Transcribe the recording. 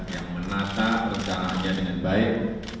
yang menata perjalanannya dengan baik